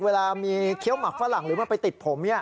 เวลามีเคี้ยวหมักฝรั่งหรือมันไปติดผม